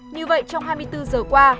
như vậy trong hai mươi bốn giờ qua